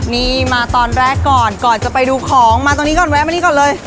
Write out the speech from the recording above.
นี่มาตอนแรกก่อนก่อนจะไปดูของมาตรงนี้ก่อนแวะมานี่ก่อนเลย